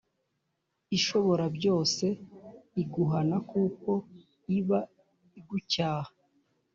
Ishoborabyose iguhana kuko iba igucyaha